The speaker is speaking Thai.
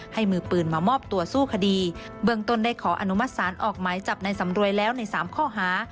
มือปืนมามอบตัวสู้คดีเบื้องต้นได้ขออนุมัติศาลออกหมายจับในสำรวยแล้วในสามข้อหา